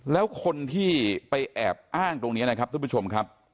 แล้วคนที่ไปแอบอ้างตรงนี้นะครับท่านผู้ชมครับ